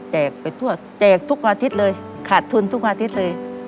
ไปทั่วแจกทุกอาทิตย์เลยขาดทุนทุกอาทิตย์เลย